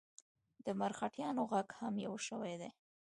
د مرهټیانو ږغ هم یو شوی دی.